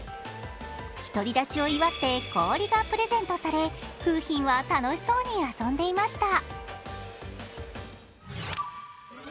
ひとり立ちを祝って氷がプレゼントされ楓浜は楽しそうに遊んでいました。